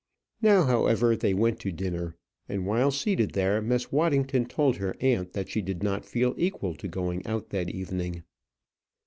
Now, however, they went to dinner, and while seated there, Miss Waddington told her aunt that she did not feel equal to going out that evening.